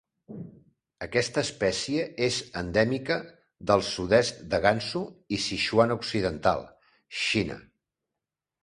Aquesta espècie és endèmica del sud-est de Gansu i Sichuan occidental, Xina.